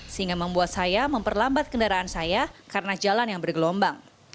sehingga membuat saya memperlambat kendaraan saya karena jalan yang bergelombang